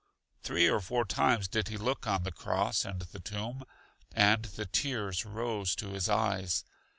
Three or four times did he look on the cross and the tomb, and the tears rose to his eyes.